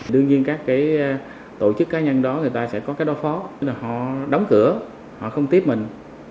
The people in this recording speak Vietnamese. đương nhiên các tổ chức cá nhân đó sẽ có đối phó họ đóng cửa họ không tiếp mình